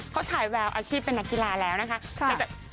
เขาฉายแววอาชีพเป็นนักกีฬาแล้วนะคะ